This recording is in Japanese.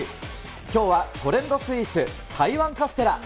きょうはトレンドスイーツ、台湾カステラ。